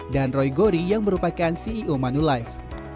dan roy gori yang merupakan ceo manulife